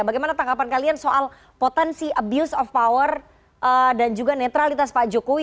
bagaimana tanggapan kalian soal potensi abuse of power dan juga netralitas pak jokowi